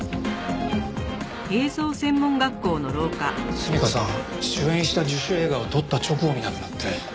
純夏さん主演した自主映画を撮った直後に亡くなって。